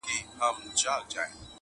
پاڅېدلی خروښېدلی په زمان کي!.